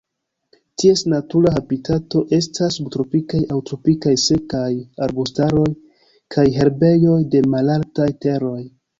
Ties natura habitato estas subtropikaj aŭ tropikaj sekaj arbustaroj kaj herbejoj de malaltaj teroj.